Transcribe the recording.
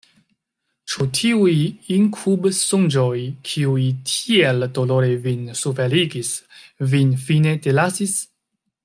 Ĉu tiuj inkubsonĝoj, kiuj tiel dolore vin suferigis, vin fine delasis?